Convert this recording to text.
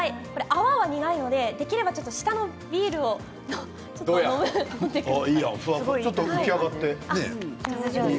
泡は苦いのでできたら下のビールを飲んでください。